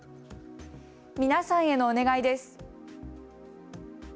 皆さんへのお願いです。